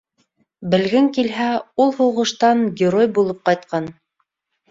Белгең килһә, ул һуғыштан герой булып ҡайтҡан.